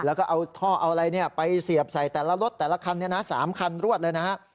แล้วก็เอาท่อเอาอะไรไปเสียบใส่แต่ละรถแต่ละคัน๓คันรวดเลยนะฮะ